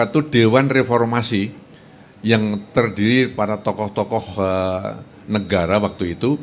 satu dewan reformasi yang terdiri para tokoh tokoh negara waktu itu